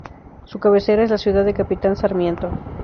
Su cabecera es la ciudad de Capitán Sarmiento.